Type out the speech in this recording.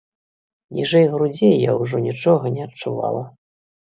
Ніжэй грудзей я ўжо нічога не адчувала.